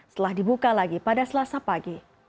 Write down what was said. setelah dibuka lagi pada selasa pagi